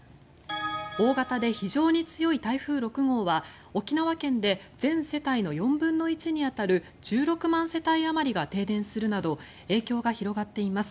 大型で非常に強い台風６号は沖縄県で全世帯の４分の１に当たる１６万世帯あまりが停電するなど影響が広がっています。